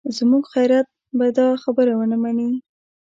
زموږ غیرت به دا خبره ونه مني.